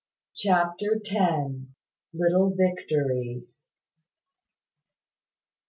CHAPTER TEN. LITTLE VICTORIES.